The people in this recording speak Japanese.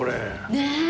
ねえ！